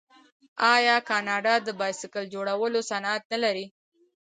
آیا کاناډا د بایسکل جوړولو صنعت نلري؟